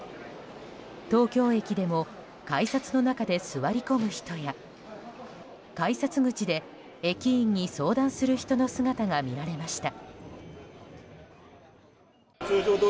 東京駅でも改札の中で座り込む人や改札口で駅員に相談する人の姿が見られました。